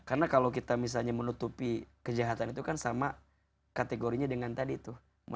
karena kalau kita misalnya menutupi kejahatan itu kan sama kategorinya dengan tadi tuh